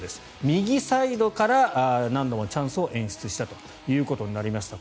右サイドから何度もチャンスを演出したということになりました。